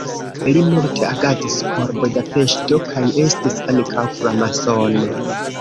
Li multe agadis por Budapeŝto kaj estis ankaŭ framasono.